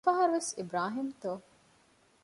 މި ފަހަރު ވެސް އިބްރާހީމްތޯ؟